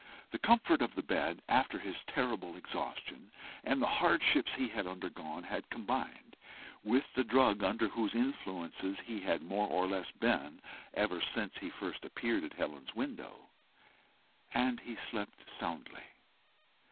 The comfort of the bed after his terrible exhaustion and the hardships he had undergone, had combined with the drug under whose influences he had more or less been ever since first he appeared at Helen's window, and he slept soundly.